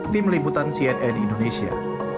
tim liputan cnn indonesia